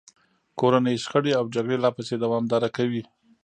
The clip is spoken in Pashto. کورنۍ شخړې او جګړې لا پسې دوامداره کوي.